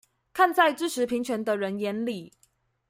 看在支持平權的人眼裡